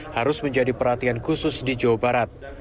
harus menjadi perhatian khusus di jawa barat